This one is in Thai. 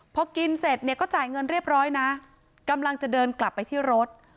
พอกินเสร็จเนี่ยก็จ่ายเงินเรียบร้อยนะกำลังจะเดินกลับไปที่รถ